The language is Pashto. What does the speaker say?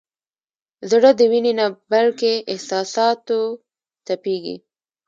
زړه د وینې نه بلکې احساساتو تپېږي.